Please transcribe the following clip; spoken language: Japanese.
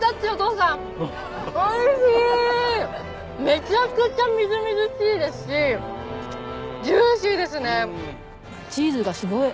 めちゃくちゃみずみずしいですしジューシーですね！